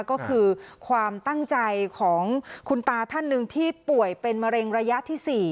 ก็คือความตั้งใจของคุณตาท่านหนึ่งที่ป่วยเป็นมะเร็งระยะที่๔